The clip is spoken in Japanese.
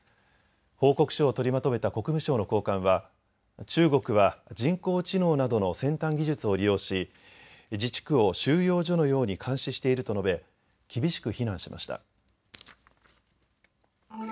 報告書を取りまとめた国務省の高官は、中国は人工知能などの先端技術を利用し自治区を収容所のように監視していると述べ厳しく非難しました。